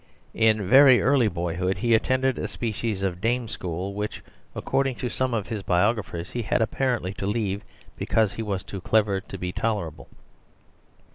In very early boyhood he attended a species of dame school, which, according to some of his biographers, he had apparently to leave because he was too clever to be tolerable.